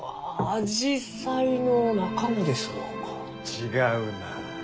違うな。